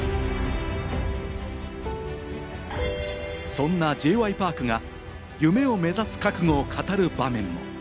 そうなＪ．Ｙ．Ｐａｒｋが夢を目指す覚悟を語る場面も。